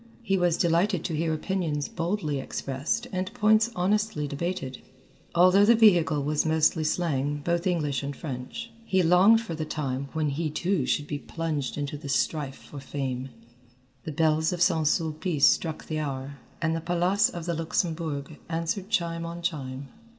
He was delighted to hear opinions boldly expressed and points honestly debated, although the vehicle was mostly slang, both English and French. He longed for the time when he too should be plunged into the strife for fame. The bells of St. Sulpice struck the hour, and the Palace of the Luxembourg answered chime on chime.